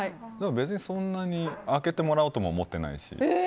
別にそんなに開けてもらおうとも思ってないし。